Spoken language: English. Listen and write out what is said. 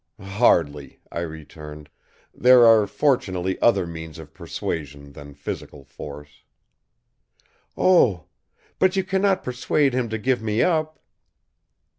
"Hardly," I returned. "There are fortunately other means of persuasion than physical force." "Oh! But you cannot persuade him to give me up."